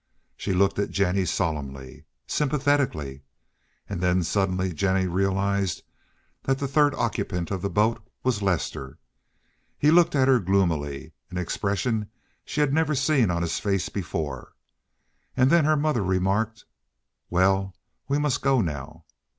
She looked at Jennie solemnly, sympathetically, and then suddenly Jennie realized that the third occupant of the boat was Lester. He looked at her gloomily—an expression she had never seen on his face before—and then her mother remarked, "Well, we must go now."